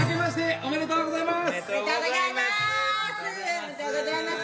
おめでとうございます。